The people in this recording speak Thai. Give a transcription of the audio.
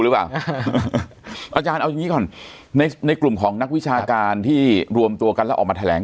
หรือเปล่าอาจารย์เอาอย่างนี้ก่อนในในกลุ่มของนักวิชาการที่รวมตัวกันแล้วออกมาแถลง